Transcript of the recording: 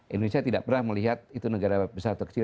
indonesia tidak pernah melihat itu negara besar atau kecil